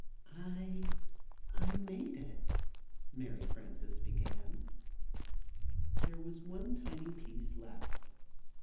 "I I made it," Mary Frances began. There was one tiny piece left.